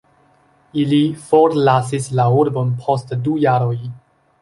Ili forlasis la urbon post du jaroj.